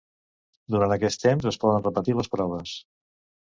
Durant aquest temps, es poden repetir les proves.